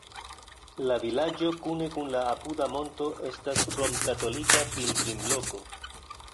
La vilaĝo kune kun la apuda monto estas romkatolika pilgrimloko.